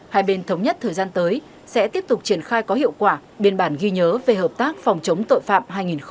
hai bên thống nhất thời gian tới sẽ tiếp tục triển khai có hiệu quả biên bản ghi nhớ về hợp tác phòng chống tội phạm hai nghìn hai mươi